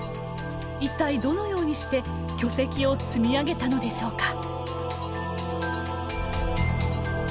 一体どのようにして巨石を積み上げたのでしょうか？